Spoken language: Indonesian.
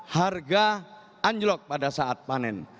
harga anjlok pada saat panen